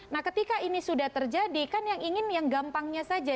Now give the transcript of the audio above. nah ketika ini sudah terjadi kan yang ingin yang gampangnya saja